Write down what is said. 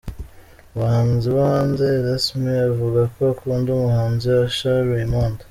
Mu bahanzi bo hanze, Erasme avuga ko akunda umuhanzi Usher Raymond.